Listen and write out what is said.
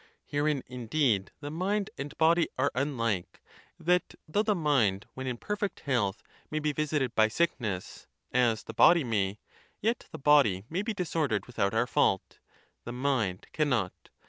Herein, indeed, the mind and body are unlike: that though the mind when in perfect health may be visit ed by sickness, as the body may, yet the body may be dis ordered without our fault; the mind cannot.